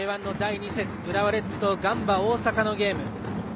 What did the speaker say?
Ｊ１の第２節、浦和レッズとガンバ大阪のゲーム。